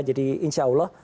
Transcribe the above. jadi insya allah